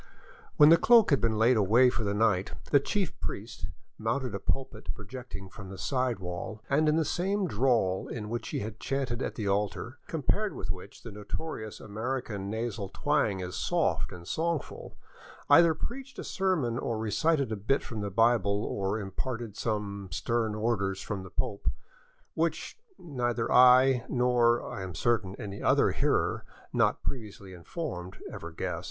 '' When the cloak had been laid away for the night, the chief priest mounted a pulpit projecting from the side wall, and in the same drawl in which he had chanted at the altar, compared with which the notorious American nasal twang is soft and songful, either preached a sermon, or recited a bit from the Bible, or imparted some stern orders from the Pope — which, neither I nor, I am certain, any other hearer not previously informed ever guessed.